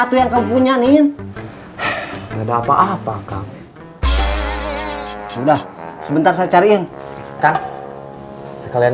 tuh yang kamu punya nin enggak ada apa apa kang sudah sebentar saya cariin kan sekalian